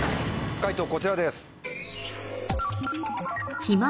解答こちらです。